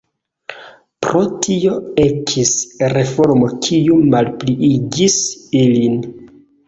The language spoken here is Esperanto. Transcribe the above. Pro tio ekis reformo kiu malpliigis ilin.